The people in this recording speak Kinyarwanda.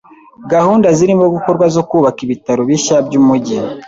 Gahunda zirimo gukorwa zo kubaka ibitaro bishya byumujyi.